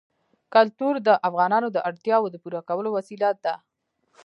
کلتور د افغانانو د اړتیاوو د پوره کولو وسیله ده.